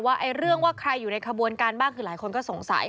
เรื่องว่าใครอยู่ในขบวนการบ้างคือหลายคนก็สงสัย